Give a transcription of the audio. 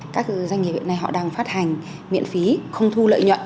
các doanh nghiệp hiện nay họ đang phát hành miễn phí không thu lợi nhuận